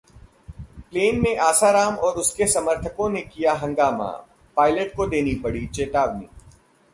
plane में आसाराम और उसके समर्थकों ने किया हंगामा, पायलट को देनी पड़ी चेतावनी